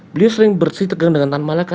beliau sering bersih tegang dengan tan malaka